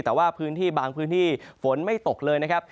แต่ว่าพื้นที่บางพื้นที่ฝนไม่ตกเลยนะครับ